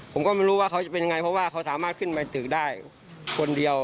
ผมก็ไม่รู้ว่าเขาจะเป็นยังไงเพราะว่าเขาสามารถขึ้นไปตึกได้คนเดียว